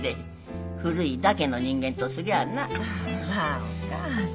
まあお義母さん。